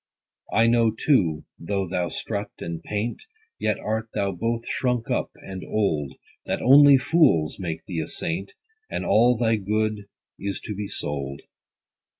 I know too, though thou strut and paint, Yet art thou both shrunk up, and old, That only fools make thee a saint, And all thy good is to be sold.